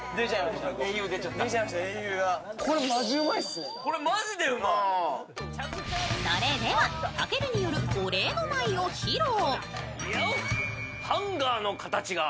それではたけるによるお礼の舞を披露。